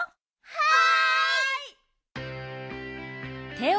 はい！